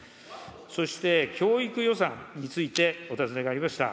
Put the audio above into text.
そして、教育予算についてお尋ねがありました。